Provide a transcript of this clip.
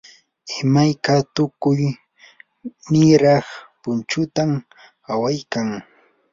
imayka tukuy niraq punchutam awaykan.